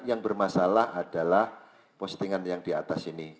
yang bermasalah adalah postingan yang di atas ini